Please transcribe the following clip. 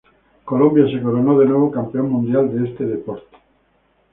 Colombia se coronó de nuevo campeón mundial de este deporte.